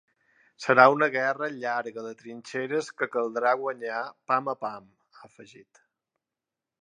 Serà una guerra llarga de trinxeres que caldrà guanyar pam a pam, ha afegit.